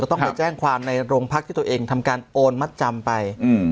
ต้องไปแจ้งความในโรงพักที่ตัวเองทำการโอนมัดจำไป